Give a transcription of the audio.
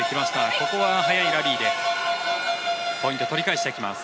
ここは速いラリーでポイントを取り返していきます。